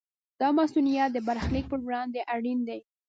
دا مصونیت د برخلیک پر وړاندې اړین دی.